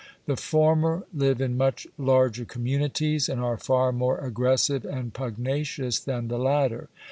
The former live in much larger communities and are far more aggressive and pugnacious than the latter.